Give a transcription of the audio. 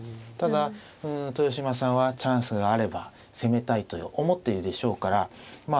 ただ豊島さんはチャンスがあれば攻めたいと思っているでしょうから。